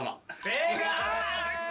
正解。